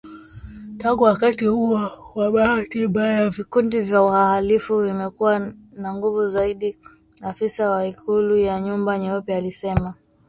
Tangu wakati huo kwa bahati mbaya vikundi vya wahalifu vimekuwa na nguvu zaidi, afisa wa Ikulu ya Nyumba Nyeupe alisema